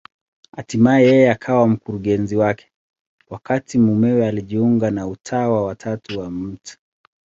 Hatimaye yeye akawa mkurugenzi wake, wakati mumewe alijiunga na Utawa wa Tatu wa Mt.